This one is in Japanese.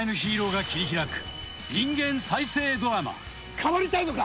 「変わりたいのか？